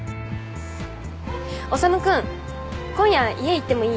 修君今夜家行ってもいい？